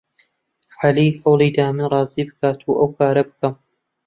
عەلی هەوڵی دا من ڕازی بکات ئەو کارە بکەم.